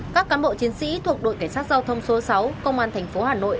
các cán bộ chiến sĩ thuộc đội cảnh sát giao thông số sáu công an thành phố hà nội